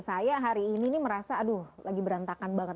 saya hari ini merasa aduh lagi berantakan banget